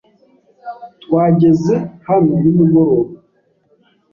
Twageze hano nimugoroba.